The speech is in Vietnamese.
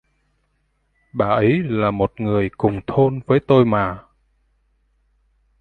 bà ấy là một người cùng thôn với tôi mà